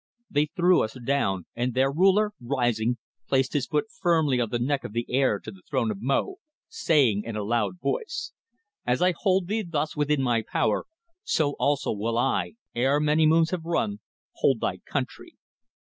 They threw us down, and their ruler, rising, placed his foot firmly on the neck of the heir to the throne of Mo, saying in a loud voice: "As I hold thee thus within my power, so also will I, ere many moons have run, hold thy country.